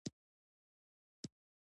دا د پراګماټیک مصلحت له مخې ده.